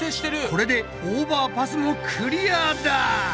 これでオーバーパスもクリアだ！